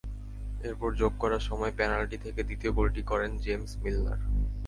এরপর যোগ করা সময়ে পেনাল্টি থেকে দ্বিতীয় গোলটি করেন জেমস মিলনার।